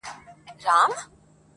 لکه خټګري و نجاري و پښتوب یا بلڅه